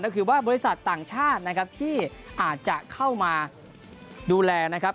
ก็คือว่าบริษัทต่างชาตินะครับที่อาจจะเข้ามาดูแลนะครับ